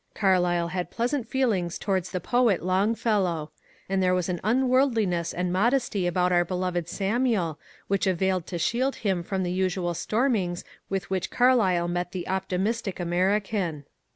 Carlyle had plea sant feelings towards the poet Longfellow, and there was an unworldliness and modesty about our beloved Samuel which availed to shield him from the usual stormings with which Carlyle met the optimistic American.